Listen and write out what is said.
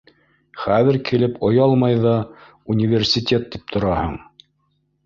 Хәҙер килеп оялмай ҙа университет тип тораһың.